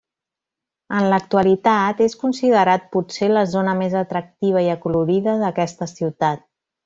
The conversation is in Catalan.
En l'actualitat és considerat potser la zona més atractiva i acolorida d'aquesta ciutat.